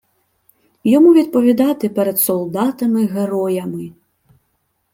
Йому відповідати перед солдатами-героями